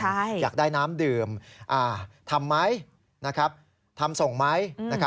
อยากได้น้ำดื่มทำไหมทำส่งไหม